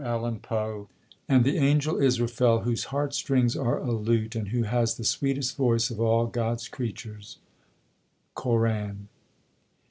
ISRAFEL And the angel Israfel, whose heart strings are a lute, and who has the sweetest voice of all God's creatures. _Koran.